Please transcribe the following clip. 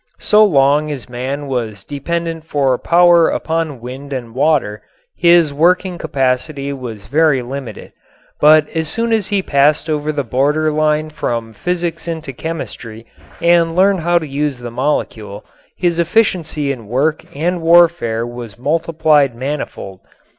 So long as man was dependent for power upon wind and water his working capacity was very limited. But as soon as he passed over the border line from physics into chemistry and learned how to use the molecule, his efficiency in work and warfare was multiplied manifold.